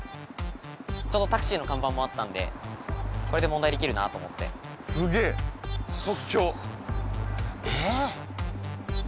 ちょうどＴＡＸＩの看板もあったんでこれで問題できるなと思ってすげえ即興ええっ！？